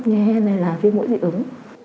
như hên hay là viêm mũi dị ứng